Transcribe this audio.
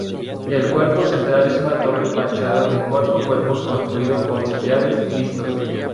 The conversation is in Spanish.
El cuerpo central es una torre-fachada de cuatro cuerpos construido con sillares vistos.